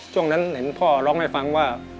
ช่วงนั้นเห็นพ่อร้องให้ฟังว่า